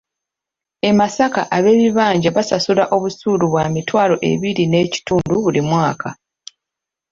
E Masaka ab’ebibanja basasula obusuulu bwa mitwalo ebiri n'ekitundu buli mwaka.